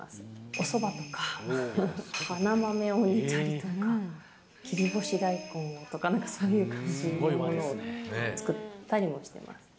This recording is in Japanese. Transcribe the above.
おそばとか、花豆を煮たりとか、切り干し大根とか、なんかそんな感じで作ったりもしてます。